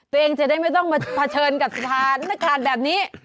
ตัวเองจะได้ไม่ต้องมาเผชิญกับสถานการณ์แบบนี้